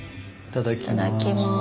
いただきます。